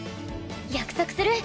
約束する！